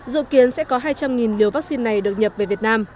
dự kiến sẽ có hai trăm linh liều vaccine này được nhập về việt nam